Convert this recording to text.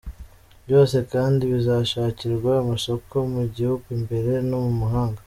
Byose kandi bizashakirwa amasoko mu gihugu imbere no mu mahanga.